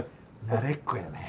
慣れっこやね。